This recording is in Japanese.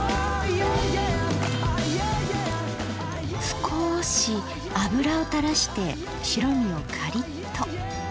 すこし油をたらして白身をカリッと。